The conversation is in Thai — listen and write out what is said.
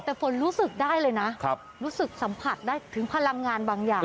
แต่ฝนรู้สึกได้เลยนะรู้สึกสัมผัสได้ถึงพลังงานบางอย่าง